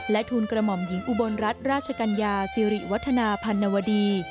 ทูลกระหม่อมหญิงอุบลรัฐราชกัญญาสิริวัฒนาพันนวดี